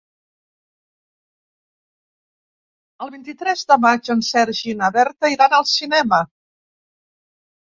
El vint-i-tres de maig en Sergi i na Berta iran al cinema.